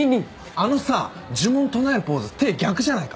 あのさ呪文唱えるポーズ手逆じゃないか？